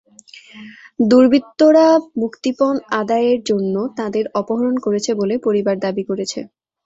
দুর্বৃত্তরা মুক্তিপণ আদায়ের জন্য তাঁদের অপহরণ করেছে বলে পরিবার দাবি করেছে।